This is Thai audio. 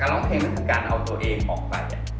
ร้องเพลงก็คือการเอาตัวเองออกไป